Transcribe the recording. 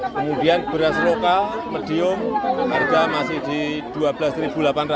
kemudian beras lokal medium harga masih di rp dua belas delapan ratus